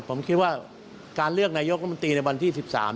ผมคิดว่าการเลือกนายกรัฐมนตรีในวันที่๑๓